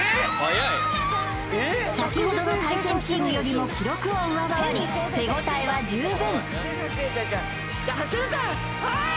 先ほどの対戦チームよりも記録を上回り手応えは十分はい！